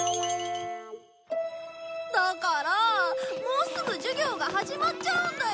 もうすぐ授業が始まっちゃうんだよ！